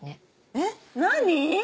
えっ何？